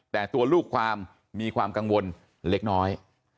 แต่ตัวลูกความมีความกังวลเล็กน้อย